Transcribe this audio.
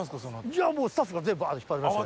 いやもうスタッフがバーッて引っ張り出して。